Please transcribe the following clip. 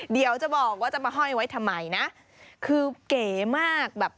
เดี๋ยวจะบอกว่าจะมาห้อยไว้ทำไมนะคือเก๋มากแบบ